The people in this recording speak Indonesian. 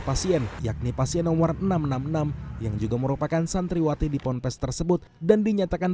pasien yakni pasien nomor enam ratus enam puluh enam yang juga merupakan santriwati di ponpes tersebut dan dinyatakan